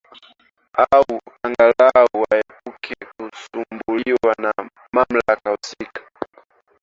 au angalau waepuke kusumbuliwa na mamlaka husika